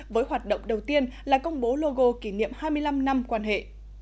với hoạt động đầu tiên là công bố logo kỷ niệm hai mươi năm năm quan hệ